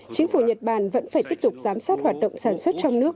chính phủ nhật bản vẫn phải tiếp tục giám sát hoạt động sản xuất trong nước